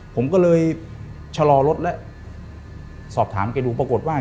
ผมก็เลยชะลอรถแล้วสอบถามแกดูปรากฏว่า